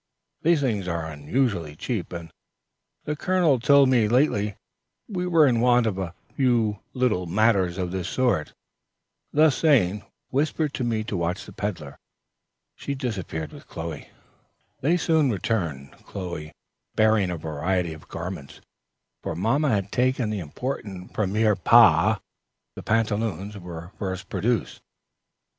These things are unusually cheap, and the colonel told me lately we were in want of a few little matters of this sort." Thus saying, with a significant whisper to me to watch the peddler, she disappeared with Chloe. They soon returned, Chloe bearing a variety of garments, for mamma had taken the important premier pas. The pantaloons were first produced.